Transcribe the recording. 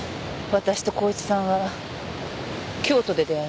私と孝一さんは京都で出会いました。